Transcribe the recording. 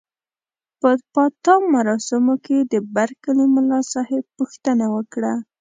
په پاتا مراسمو کې د برکلي ملاصاحب پوښتنه وکړه.